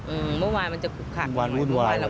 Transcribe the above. อือมันจะขักมันมุ่นวานแล้ว